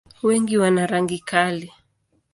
Wengi wana rangi kali.